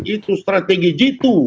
itu strategi jitu